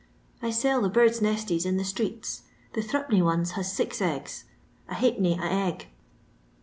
I sell the birds' nesties in the strqats; the three penny ones haa six eggs, a Jdilf penny a egg.